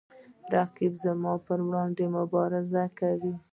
رقیب زما په وړاندې مبارزه کوي